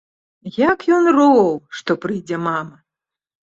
Як ён роў, што прыйдзе мама!